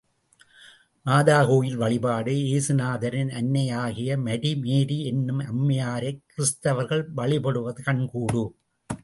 மாதா கோயில் வழிபாடு ஏசுநாதரின் அன்னையாராகிய மரி மேரி என்னும் அம்மையாரைக் கிறித்தவர்கள் வழிபடுவது கண்கூடு.